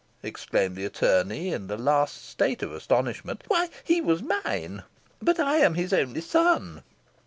exclaimed the attorney, in the last state of astonishment "Why, he was mine! But I am his only son."